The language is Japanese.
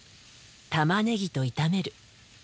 たまねぎと炒める。